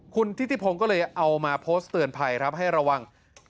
คุณทิติพงศ์ก็เลยเอามาโพสต์เตือนภัยครับให้ระวัง